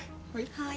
はい。